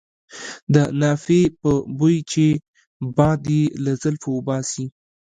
د نافې په بوی چې باد یې له زلفو وباسي.